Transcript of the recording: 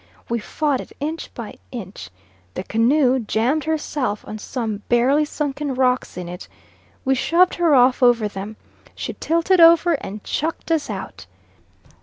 We fought it inch by inch. The canoe jammed herself on some barely sunken rocks in it. We shoved her off over them. She tilted over and chucked us out.